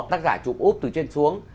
tác giả chụp úp từ trên xuống